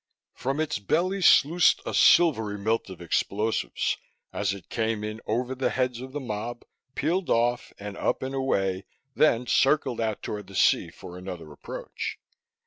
From its belly sluiced a silvery milt of explosives as it came in over the heads of the mob, peeled off and up and away, then circled out toward the sea for another approach.